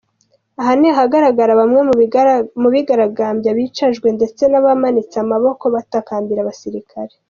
Aha ni ahagaragara bamwe mu bigaragambya bicajwe ndetse n’abamanitse amaboko batakambira abasirikare.